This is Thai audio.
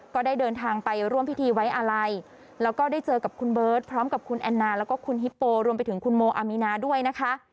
ก็ได้เดินทางไปร่วมพิธีไว้อาลัยแล้วก็ได้เจอกับคุณเบิร์ตพร้อมกับคุณแอนนาแล้วก็คุณฮิปโปรวมไปถึงคุณโมอามีนาด้วยนะคะ